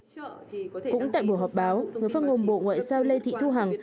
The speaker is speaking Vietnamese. cũng tại buổi họp báo người phát ngôn bộ ngoại giao lê thị thu hằng